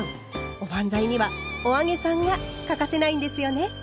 おばんざいにはお揚げさんが欠かせないんですよね？